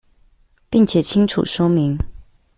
並且清楚說明